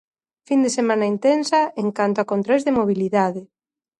Fin de semana intensa en canto a controis de mobilidade.